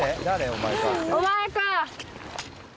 お前か。